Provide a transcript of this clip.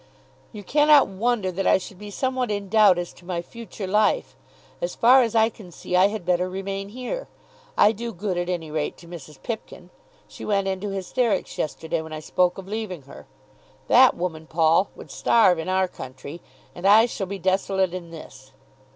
"You cannot wonder that I should be somewhat in doubt as to my future life. As far as I can see, I had better remain here. I do good at any rate to Mrs. Pipkin. She went into hysterics yesterday when I spoke of leaving her. That woman, Paul, would starve in our country, and I shall be desolate in this."